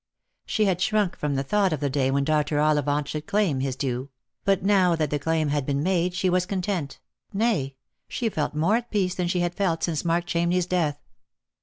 She had shrunk from the thought of the day when Dr. Ollivant should claim his due ; but now that the claim had been made she was con tent, nay, she felt more at peace than she had felt since Mark Chamney's death.